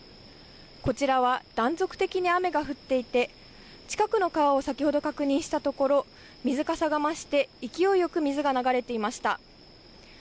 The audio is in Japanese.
こちらは断続的に雨が降っていて近くの川を先ほど確認したところ水かさが増して勢いよく水が流れていました。